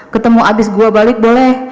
ketemu abis gue balik boleh